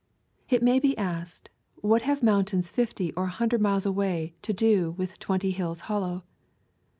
It may be asked, What have mountains fifty or a hundred miles away to do with Twenty Hill Hollow?